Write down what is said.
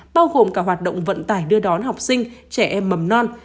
bao gồm cả hoạt động vận tải đưa đón học sinh trẻ em mầm non